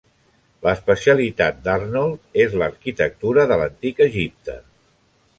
L'especialitat d'Arnold és l'arquitectura de l'antic Egipte.